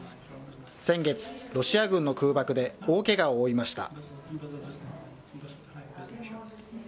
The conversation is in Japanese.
先月、ロシア軍の空爆で、大けがを負いました。